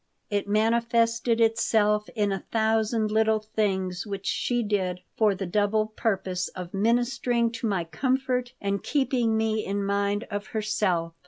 It manifested itself in a thousand little things which she did for the double purpose of ministering to my comfort and keeping me in mind of herself.